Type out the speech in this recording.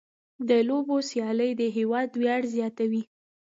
د لوبو سیالۍ د هېواد ویاړ زیاتوي.